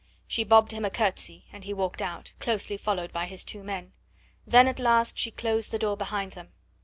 She bobbed him a curtsey, and he walked out, closely followed by his two men; then at last she closed the door behind them.